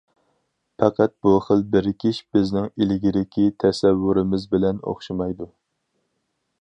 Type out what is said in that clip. پەقەت بۇ خىل بىرىكىش بىزنىڭ ئىلگىرىكى تەسەۋۋۇرىمىز بىلەن ئوخشىمايدۇ.